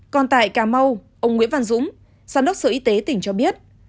còn tại cà mau ông nguyễn văn dũng giám đốc sở y tế tỉnh cho biết